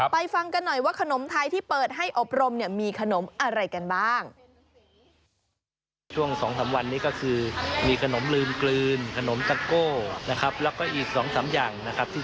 ฟังกันหน่อยว่าขนมไทยที่เปิดให้อบรมเนี่ยมีขนมอะไรกันบ้าง